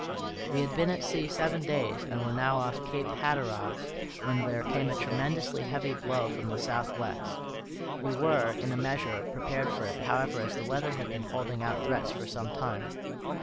We had been at sea seven days, and were now off Cape Hatteras, when there came a tremendously heavy blow from the southwest. We were, in a measure, prepared for it, however, as the weather had been holding out threats for some time.